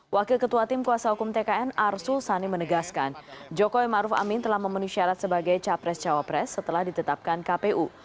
wakil ketua tim kuasa hukum tkn arsul sani menegaskan jokowi maruf amin telah memenuhi syarat sebagai capres cawapres setelah ditetapkan kpu